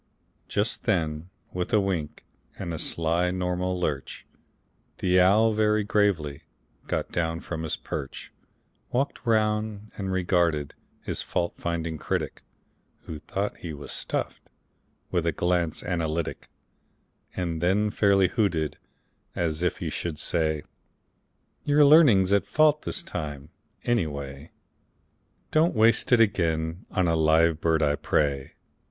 Just then, with a wink and a sly normal lurch, The owl, very gravely, got down from his perch, Walked round, and regarded his fault finding critic (Who thought he was stuffed) with a glance analytic, And then fairly hooted, as if he should say: "Your learning's at fault this time, any way; Don't waste it again on a live bird, I pray.